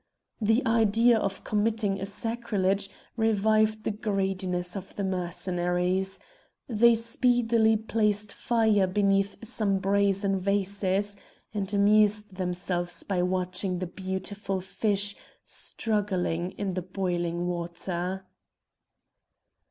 The idea of committing a sacrilege revived the greediness of the Mercenaries; they speedily placed fire beneath some brazen vases, and amused themselves by watching the beautiful fish struggling in the boiling water.